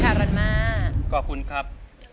ฟ้าสั่งให้ฉันรัก